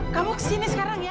kamu kesini sekarang ya